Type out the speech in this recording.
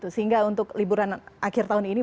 sehingga untuk liburan akhir tahun ini